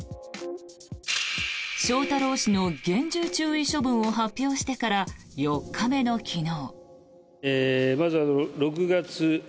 翔太郎氏の厳重注意処分を発表してから４日目の昨日。